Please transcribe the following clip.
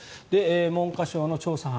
文科省の調査班。